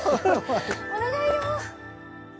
お願いよ。